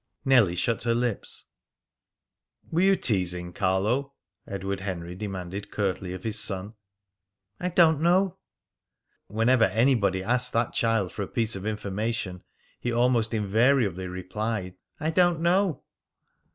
Nellie shut her lips. "Were you teasing Carlo?" Edward Henry demanded curtly of his son. "I don't know." Whenever anybody asked that child for a piece of information, he almost invariably replied, "I don't know."